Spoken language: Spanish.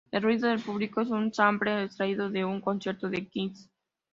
El ruido del público es un sampler extraído de un concierto de Kiss.